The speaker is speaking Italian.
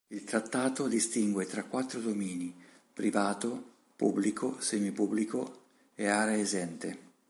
Il trattato distingue tra quattro domini: privato, pubblico, semi-pubblico e area esente.